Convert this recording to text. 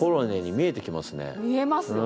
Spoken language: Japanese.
見えますよね。